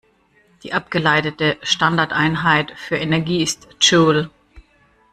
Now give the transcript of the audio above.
Die abgeleitete Standardeinheit für Energie ist Joule.